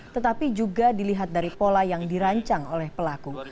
tetapi juga dilihat dari pola yang dirancang oleh pelaku